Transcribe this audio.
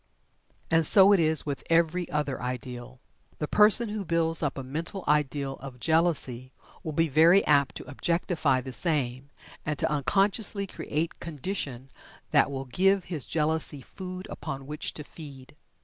And so it is with every other ideal. The person who builds up a mental ideal of Jealousy will be very apt to objectify the same, and to unconsciously create condition that will give his Jealousy food upon which to feed.